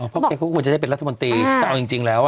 เขาก็ควรจะได้เป็นรัฐบาลตีแต่เอาจริงแล้ว